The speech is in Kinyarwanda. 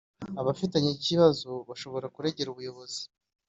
abafitanye ikibazo bashobora kuregera umuyobozi